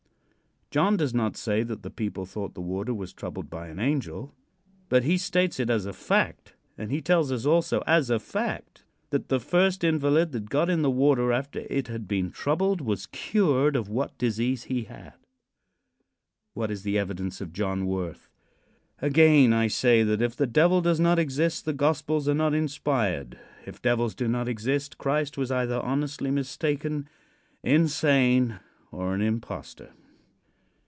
John does not say that the people thought the water was troubled by an angel, but he states it as a fact. And he tells us, also, as a fact, that the first invalid that got in the water after it had been troubled was cured of what disease he had. What is the evidence of John worth? Again I say that if the Devil does not exist the gospels are not inspired. If devils do not exist Christ was either honestly mistaken, insane or an impostor.